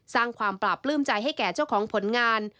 สร้างความปราบปลื้มใจให้แก่เจ้าของผลงาน